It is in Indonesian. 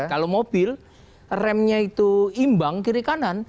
kalau mobil remnya itu imbang kiri kanan